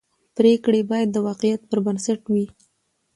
پرېکړې باید د واقعیت پر بنسټ وي